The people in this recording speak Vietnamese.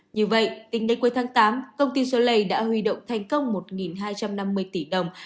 như vậy tính đến cuối tháng tám công ty solay đã huy động thành công một hai trăm năm mươi tỷ đồng